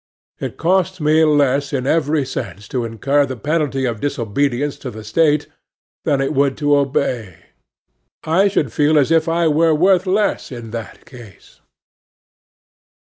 It costs me less in every sense to incur the penalty of disobedience to the State, than it would to obey. I should feel as if I were worth less in that case.